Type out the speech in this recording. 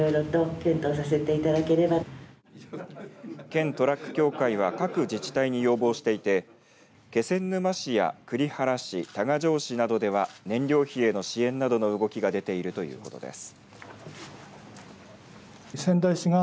県トラック協会は各自治体に要望していて気仙沼市や栗原市多賀城市などでは燃料費への支援などの動きが出ているということです。